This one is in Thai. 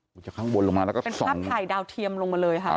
เป็นภาพถ่ายดาวเทียมลงมาเลยค่ะ